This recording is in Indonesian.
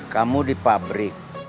kamu di pabrik